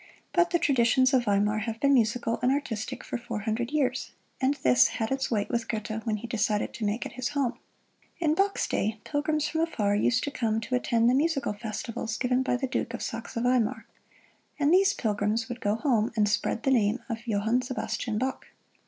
But the traditions of Weimar have been musical and artistic for four hundred years, and this had its weight with Goethe when he decided to make it his home. In Bach's day, pilgrims from afar used to come to attend the musical festivals given by the Duke of Saxe Weimar; and these pilgrims would go home and spread the name of Johann Sebastian Bach.